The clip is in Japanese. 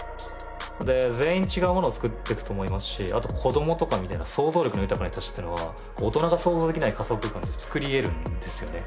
で全員違うものを作ってくと思いますしあと子どもとかみたいな想像力の豊かな人たちってのは大人が想像できない仮想空間作りえるんですよね。